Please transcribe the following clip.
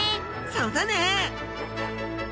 そうだね！